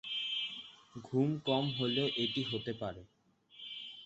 ঘুম কম হলেও এটি হতে পারে।